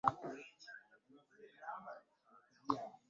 Galina okutegeera bakasitoma baago bonna